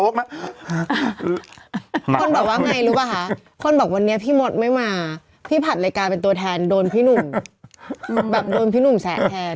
คนบอกว่าไงรู้ป่ะคะคนบอกวันนี้พี่มดไม่มาพี่ผัดเลยกลายเป็นตัวแทนโดนพี่หนุ่มแบบโดนพี่หนุ่มแสนแทน